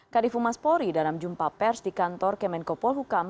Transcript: kadifu maspori dalam jumpa pers di kantor kemenkopol hukam